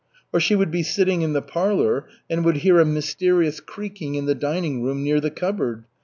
Or she would be sitting in the parlor and would hear a mysterious creaking in the dining room near the cupboard.